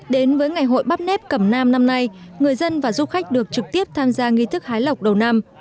đến với ngày hội bắp nếp cẩm nam năm nay người dân và du khách được trực tiếp tham gia nghi thức hái lọc đầu năm